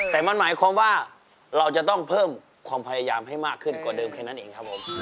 แต่มันหมายความว่าเราจะต้องเพิ่มความพยายามให้มากขึ้นกว่าเดิมแค่นั้นเองครับผม